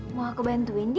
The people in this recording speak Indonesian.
mau aku bantu ndi